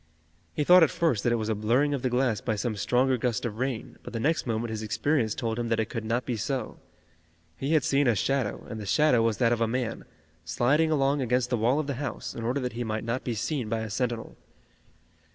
He thought at first that it was a blurring of the glass by some stronger gust of rain, but the next moment his experience told him that it could not be so. He had seen a shadow, and the shadow was that of a man, sliding along against the wall of the house, in order that he might not be seen by a sentinel.